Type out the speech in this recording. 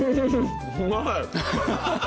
うまい！